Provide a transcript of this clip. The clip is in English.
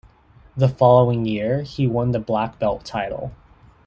The following year he won the black belt title.